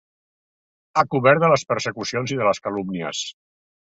A cobert de les persecucions i de les calúmnies.